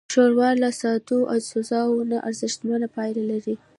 ښوروا له سادهو اجزاوو نه ارزښتمنه پايله لري.